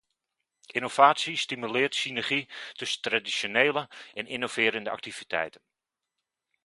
Innovatie stimuleert synergie tussen traditionele en innoverende activiteiten.